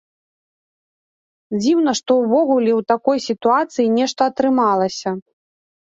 Дзіўна, што ўвогуле ў такой сітуацыі нешта атрымалася.